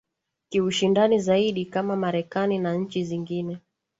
kiushindani zaidi kama marekani na nchi zingine